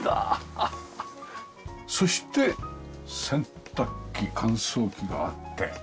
そして洗濯機乾燥機があって。